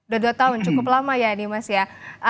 udah dua tahun cukup lama ya ini mas ya